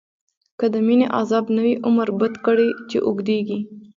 که د مینی عذاب نه وی، عمر بد کړی چی اوږدیږی